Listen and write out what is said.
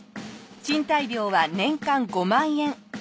賃貸料は年間５万円。